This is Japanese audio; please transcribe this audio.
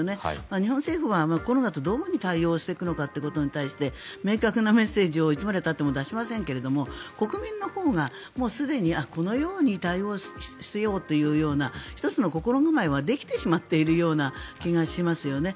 日本政府はコロナにどう対応していくのかに対して明確なメッセージをいつまでたっても出しませんが国民のほうがもうすでにこのように対応しようというような１つの心構えはできてしまっているような気がしますよね。